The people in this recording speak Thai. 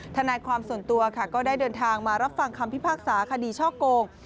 ทนายความส่วนตัวค่ะก็ได้เดินทางมารับฟังคำพิพากษาคดีช่อโกง